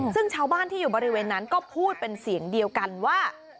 ซึ่งชาวบ้านที่อยู่บริเวณนั้นก็พูดเป็นเสียงเดียวกันว่า